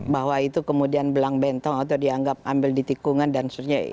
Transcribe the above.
bahwa itu kemudian belang bentong atau dianggap ambil di tikungan dan sebagainya